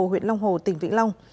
huyện long hồ tỉnh vĩnh long